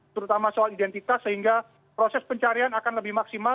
terutama soal identitas sehingga proses pencarian akan lebih maksimal